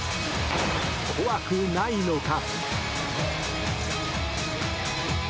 怖くないのか？